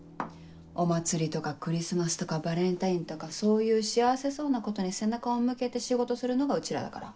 お祭りとかクリスマスとかバレンタインとかそういう幸せそうなことに背中を向けて仕事するのがうちらだから。